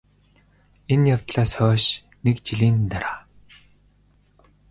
энэ явдлаас хойш НЭГ жилийн дараа